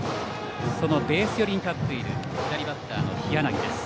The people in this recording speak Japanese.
ベース寄りに立っている左バッターの日柳です。